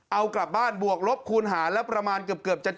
เอากลับบ้านบวกลบคูณหารแล้วประมาณเกือบจะ